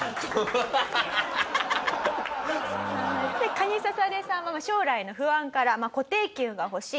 カニササレさんは将来への不安から「固定給が欲しい！